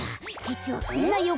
じつはこんなよ